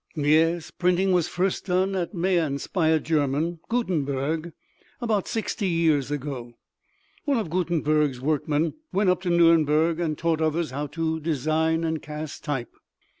Yes, printing was first done at Mayence by a German, Gutenberg, about sixty years ago. One of Gutenberg's workmen went up to Nuremberg and taught others how to design and cast type.